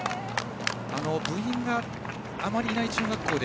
部員があまりいない中学校で。